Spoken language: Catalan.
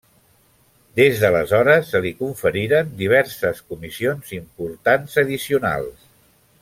Des d'aleshores se li conferiren diverses comissions importants addicionals.